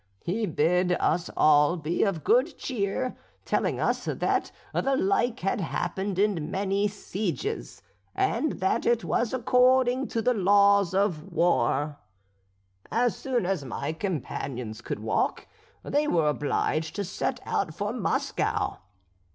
He bid us all be of good cheer, telling us that the like had happened in many sieges, and that it was according to the laws of war. "As soon as my companions could walk, they were obliged to set out for Moscow.